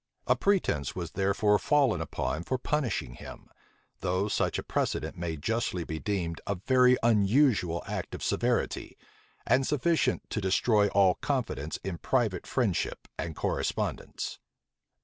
A pretence was therefore fallen upon for punishing him; though such a precedent may justly be deemed a very unusual act of severity, and sufficient to destroy all confidence in private friendship and correspondence.